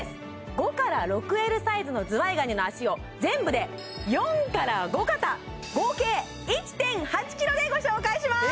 ５６Ｌサイズのズワイガニの脚を全部で４５肩合計１．８ｋｇでご紹介します！